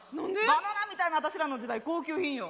バナナみたいなん私らの時代高級品よ。